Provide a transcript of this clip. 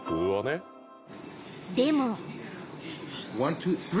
［でも］